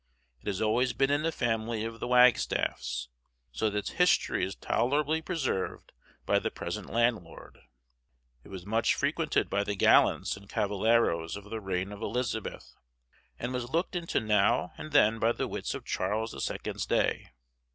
It has always been in the family of the Wagstaffs, so that its history is tolerably preserved by the present landlord. It was much frequented by the gallants and cavalieros of the reign of Elizabeth, and was looked into now and then by the wits of Charles the Second's day.